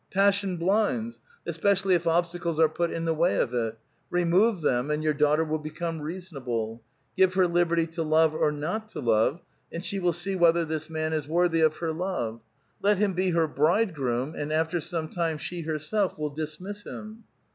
Passion blinds, especially if obstacles are put in the way of it ; remove them, and your daughter will become reasonable. Give her liberty to love or not to love, and she will see whether this man is worthy of her love. Let him be her ' bridegroom,' and alter some time she herself will dismiss him."